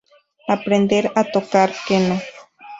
Aprender a tocar quena